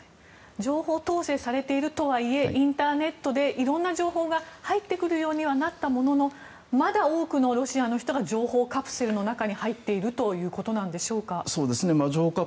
情報統制がされているとはいえインターネットで色んな情報が入ってくるようにはなったもののまだ多くのロシアの人が情報カプセルの中に入っているということでしょうか？